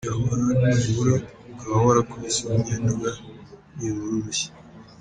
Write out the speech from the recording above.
Byabura nibura ukaba warakubise umunyenduga nibura urushyi.